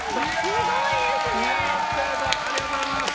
すごいですね。